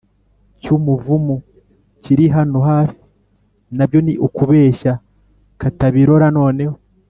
cy’umuvumu, kiri hano hafi, na byo ni ukubeshya?” Katabirora noneho